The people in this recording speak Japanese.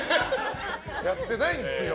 やってないんですよ！